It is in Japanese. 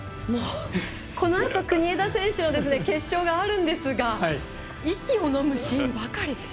このあと国枝選手の決勝があるんですが息をのむシーンばかりです。